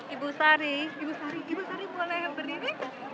ibu sari boleh berdiri